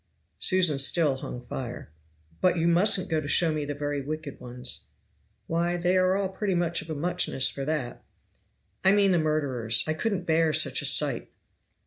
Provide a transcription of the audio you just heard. Susan still hung fire. "But you mustn't go to show me the very wicked ones." "Why they are all pretty much of a muchness for that." "I mean the murderers I couldn't bear such a sight."